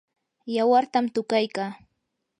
yawartam tuqaykaa.